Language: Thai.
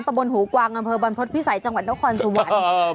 ตะบนหูกวางบรรพฤษภิษัยจังหวันต้องความสุวรรค์